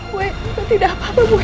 buhe itu tidak apa apa buhe